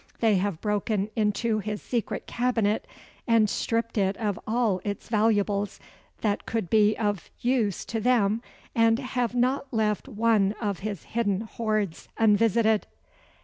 They have broken into his secret cabinet and stripped it of all its valuables that could be of use to them, and have not left one of his hidden hoards unvisited."